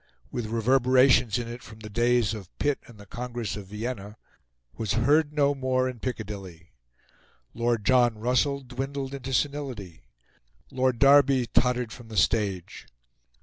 with reverberations in it from the days of Pitt and the Congress of Vienna was heard no more in Piccadilly; Lord John Russell dwindled into senility; Lord Derby tottered from the stage.